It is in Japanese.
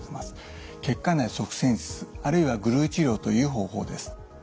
血管内塞栓術あるいはグルー治療という方法です。